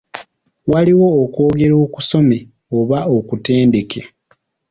Waliwo okwogera okusome oba okutendeke.